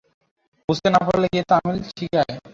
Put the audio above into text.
বুঝতে না পারলে গিয়ে তামিল শিখে আয়।